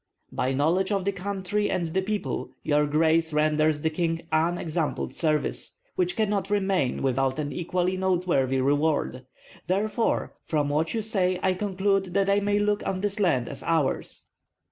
"By knowledge of the country and the people your grace renders the king unexampled service, which cannot remain without an equally noteworthy reward. Therefore from what you say I conclude that I may look on this land as ours."